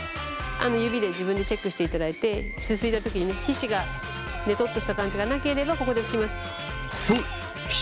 指で自分でチェックしていただいてすすいだ時にね皮脂がねとっとした感じがなければここで拭きます。